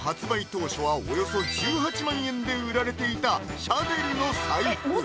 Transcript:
当初はおよそ１８万円で売られていたシャネルの財布